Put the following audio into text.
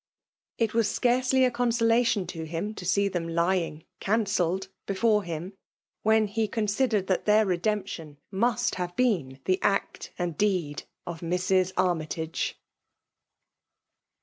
It was scarcely a consolation to him to see them lying cancelled before him, when he con sidered that their redemption must have been the act and deed of Mrs. Armytage